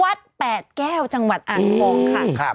วัดแปดแก้วจังหวัดอ่างทองค่ะครับ